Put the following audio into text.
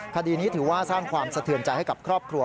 คดีนี้ถือว่าสร้างความสะเทือนใจให้กับครอบครัว